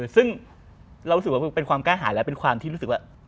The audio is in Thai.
ซึ่งเรารู้สึกว่าเป็นความกล้าหายแล้วเป็นความที่รู้สึกว่า